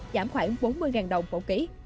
giảm khoảng bốn mươi đồng một ký